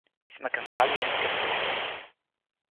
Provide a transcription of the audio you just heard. sina ken pali e ni kepeken ilo ni.